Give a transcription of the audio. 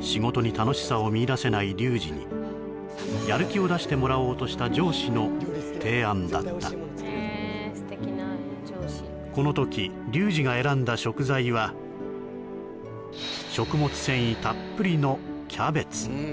仕事に楽しさを見いだせないリュウジにやる気を出してもらおうとした上司の提案だったこの時リュウジが選んだ食材はかといってそしたらうん